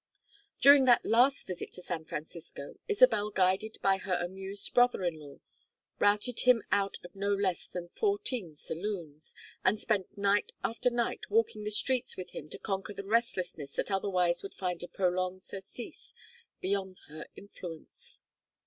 During that last visit to San Francisco, Isabel, guided by her amused brother in law, routed him out of no less than fourteen saloons, and spent night after night walking the streets with him to conquer the restlessness that otherwise would find a prolonged surcease beyond her influence.